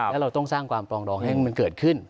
แล้วเราต้องสร้างความปลองดองให้มันเกิดขึ้น